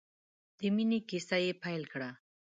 د مینې کیسه یې پیل کړه.